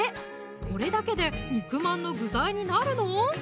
これだけで肉まんの具材になるの？